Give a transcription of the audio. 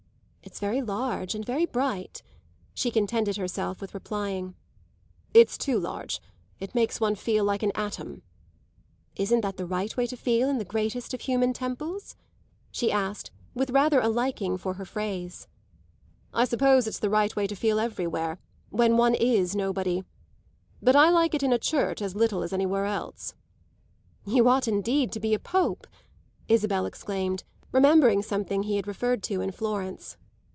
"It's very large and very bright," she contented herself with replying. "It's too large; it makes one feel like an atom." "Isn't that the right way to feel in the greatest of human temples?" she asked with rather a liking for her phrase. "I suppose it's the right way to feel everywhere, when one is nobody. But I like it in a church as little as anywhere else." "You ought indeed to be a Pope!" Isabel exclaimed, remembering something he had referred to in Florence.